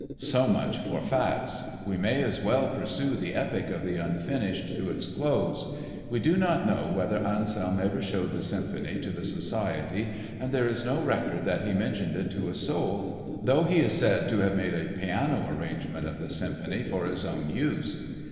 So much for facts! We may as well pursue the epic of the Unfinished to its close. We do not know whether Anselm ever showed the symphony to the society and there is no record that he mentioned it to a soul, though he is said to have made a piano arrangement of the symphony for his own use.